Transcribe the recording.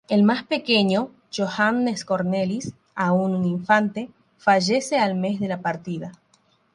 El más pequeño, Johannes Cornelis, aún un infante, fallece al mes de la partida.